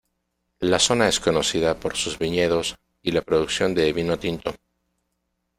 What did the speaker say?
La zona es conocida por sus viñedos y la producción de vino tinto.